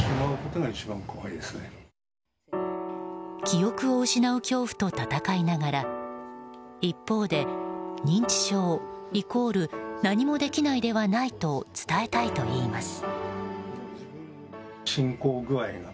記憶を失う恐怖と闘いながら一方で、認知症イコール何もできないではないと伝えたいといいます。